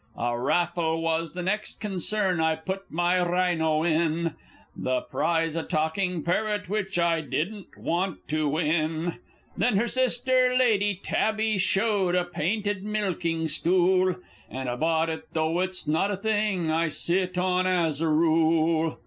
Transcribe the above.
A raffle was the next concern I put my rhino in: The prize a talking parrot, which I didn't want to win. Then her sister, Lady Tabby, shewed a painted milking stool, And I bought it though it's not a thing I sit on as a rule.